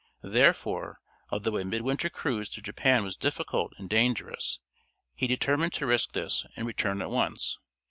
Therefore, although a midwinter cruise to Japan was difficult and dangerous, he determined to risk this and return at once.